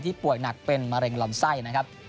ป่วยหนักเป็นมะเร็งลำไส้นะครับ